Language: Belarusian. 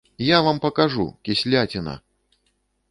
Я вам пакажу, кісляціна!